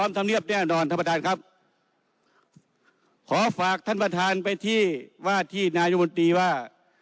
ท่านประธานครับขอฝากท่านประธานไปที่ว่าที่นายมนตรีว่า